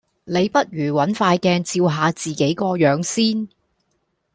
你不如搵塊鏡照下自己個樣先